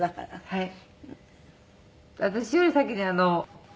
はい。